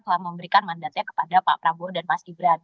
pelayanan memindahkan p intensely ambulance drink